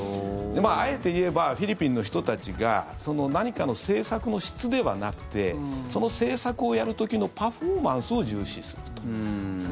あえて言えばフィリピンの人たちが何かの政策の質ではなくてその政策をやる時のパフォーマンスを重視すると。